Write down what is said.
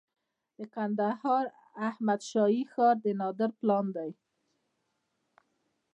د کندهار احمد شاهي ښار د نادر پلان دی